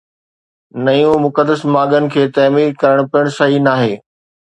نيون مقدس ماڳن کي تعمير ڪرڻ پڻ صحيح ناهي